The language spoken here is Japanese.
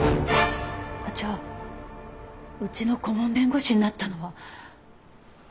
じゃあうちの顧問弁護士になったのは。